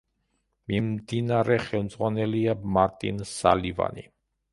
მიმდინარე ხელმძღვანელია მარტინ სალივანი.